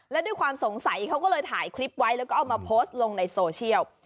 และด้วยความสงสัยเขาก็เลยถ่ายคลิปไว้แล้วก็เอามาโพสต์ลงในโซเชียล